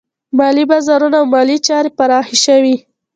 مالي بازارونه او مالي چارې پراخه شوې.